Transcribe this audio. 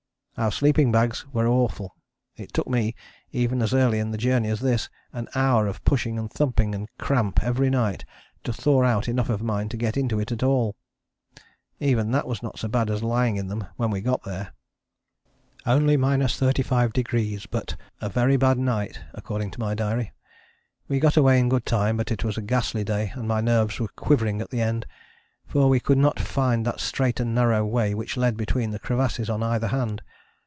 Our sleeping bags were awful. It took me, even as early in the journey as this, an hour of pushing and thumping and cramp every night to thaw out enough of mine to get into it at all. Even that was not so bad as lying in them when we got there. Only 35° but "a very bad night" according to my diary. We got away in good time, but it was a ghastly day and my nerves were quivering at the end, for we could not find that straight and narrow way which led between the crevasses on either hand.